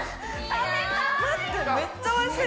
めっちゃおいしい！